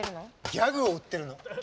ギャグを売ってる？